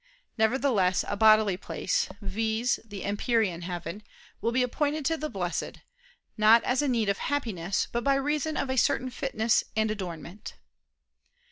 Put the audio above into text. Nevertheless a bodily place, viz. the empyrean heaven, will be appointed to the Blessed, not as a need of Happiness, but by reason of a certain fitness and adornment.